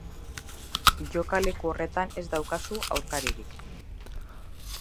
Jokaleku horretan ez daukazu aurkaririk.